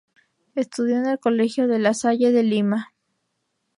Estudió en el Colegio La Salle de Lima.